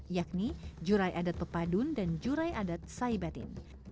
yakni jurai adat pepadun dan jurai adat saibatin